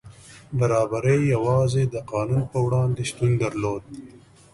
برابري یوازې د قانون په وړاندې شتون درلود.